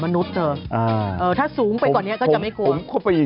ดูดิ